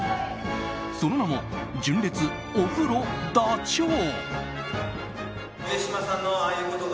その名も、純烈ダチョウ。